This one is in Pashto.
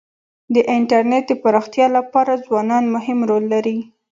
د انټرنېټ د پراختیا لپاره ځوانان مهم رول لري.